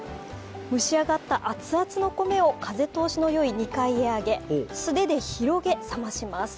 蒸し虫上がった熱々の米を風通しのよい２階へ上げ、素手で冷まします。